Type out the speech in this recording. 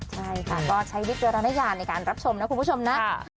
ใช่ค่ะก็ใช้วิจารณญาณในการรับชมนะคุณผู้ชมนะ